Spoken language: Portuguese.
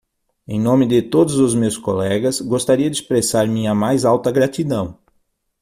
Em nome de todos os meus colegas, gostaria de expressar minha mais alta gratidão!